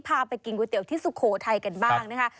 พาไปกินก๋วยเตี๋ยที่สุโขทัยกันบ้างนะคะ